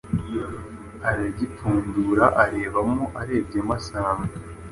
aragipfundura, arebamo. Arebyemo asanga